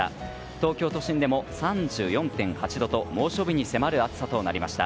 東京都市でも３４．８度と猛暑日に迫る暑さとなりました。